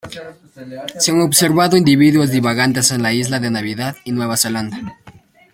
Se han observado individuos divagantes en la isla de Navidad y Nueva Zelanda.